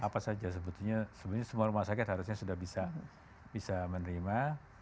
apa saja sebetulnya semua rumah sakit harusnya sudah bisa menerima